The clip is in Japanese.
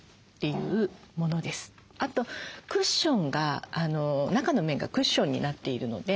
あとクッションが中の面がクッションになっているので。